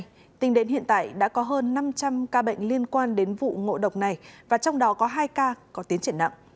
tỉnh đồng nai tỉnh đến hiện tại đã có hơn năm trăm linh ca bệnh liên quan đến vụ ngộ độc này và trong đó có hai ca có tiến triển nặng